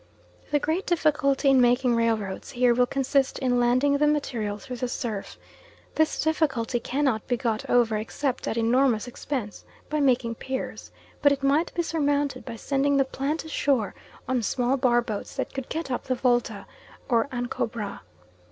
The great difficulty in making railroads here will consist in landing the material through the surf. This difficulty cannot be got over, except at enormous expense, by making piers, but it might be surmounted by sending the plant ashore on small bar boats that could get up the Volta or Ancobra.